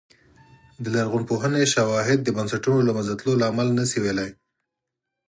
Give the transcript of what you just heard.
د لرغونپوهنې شواهد د بنسټونو له منځه تلو لامل نه شي ویلای